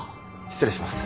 失礼します。